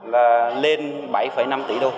là lên bảy chín lần